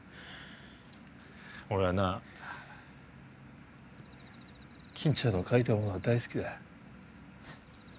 俺はな金ちゃんの書いたものが大好きだ。